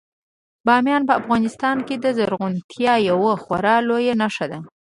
بامیان په افغانستان کې د زرغونتیا یوه خورا لویه نښه ده.